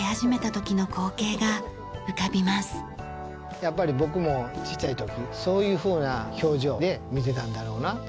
やっぱり僕もちっちゃい時そういうふうな表情で見ていたんだろうなと。